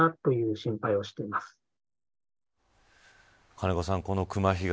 金子さん、熊被害